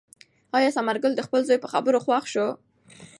آیا ثمر ګل د خپل زوی په خبرو خوښ شو؟